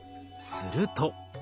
すると。